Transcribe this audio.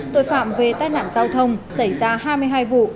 tội phạm về tai nạn giao thông xảy ra hai mươi hai vụ